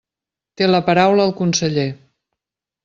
Té la paraula el conseller.